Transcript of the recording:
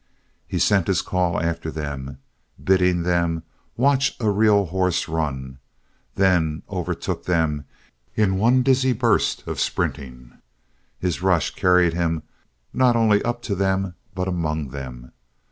He sent his call after them, bidding them watch a real horse run, then overtook them in one dizzy burst of sprinting. His rush carried him not only up to them but among them.